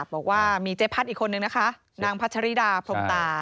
บอกว่ามีเจ๊พัดอีกคนนึงนะคะนางพัชริดาพรมตา